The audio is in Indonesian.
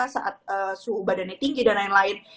saat suhu badannya tinggi dan lain lain